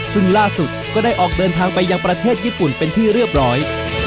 ซึ่งล่าสุดก็ได้ออกเดินทางไปยังประเทศญี่ปุ่นเป็นที่เรียบร้อย